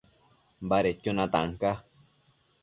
Badedquio natan ca